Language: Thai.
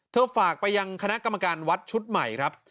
ฝากไปยังคณะกรรมการวัดชุดใหม่ครับ